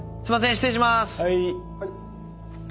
失礼します。